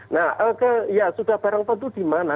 nah ya sudah barang tentu di mana